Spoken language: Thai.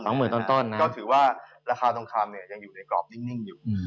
ก็ถือว่าราคาตรงคำเนี่ยยังอยู่ในกรอบนิ่งอยู่